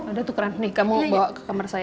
udah tukeran nih kamu bawa ke kamar saya